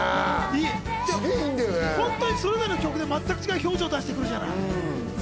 それぞれの曲で全く違う表情出してくるじゃない。